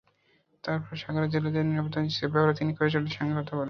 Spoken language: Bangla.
তারপরও সাগরে জেলেদের নিরাপত্তা নিশ্চিতের ব্যাপারে তিনি কোস্টগার্ডের সঙ্গে কথা বলবেন।